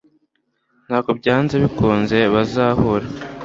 ntabwo byanze bikunze bazahura